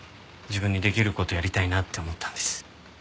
自分にできる事をやりたいなって思ったんです。